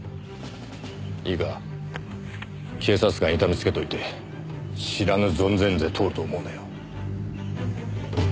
いいか警察官痛めつけといて知らぬ存ぜぬで通ると思うなよ。